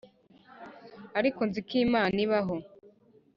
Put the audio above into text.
ariko nzi ko imana ibaho,